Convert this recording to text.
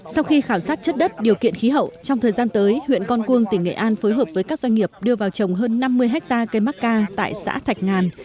sau khi khảo sát chất đất điều kiện khí hậu trong thời gian tới huyện con cuông tỉnh nghệ an phối hợp với các doanh nghiệp đưa vào trồng hơn năm mươi hectare cây mắc ca tại xã thạch ngàn